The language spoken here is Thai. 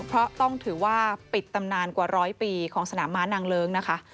เพราะต้องถือว่าปิดตำนานกว่าร้อยปีของสนามม้านางเลิ้งนะคะ